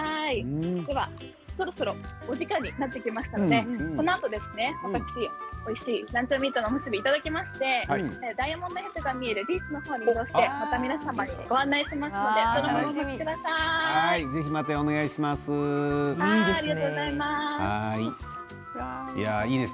そろそろお時間になってきましたので、このあと私おいしいランチョンミートのおむすびをいただきましてダイヤモンドヘッドが見えるビーチの方に行きまして皆様にご案内いたしますのでぜひまたお願いします。